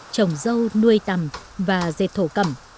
chồng dâu nuôi tầm và dệt thổ cầm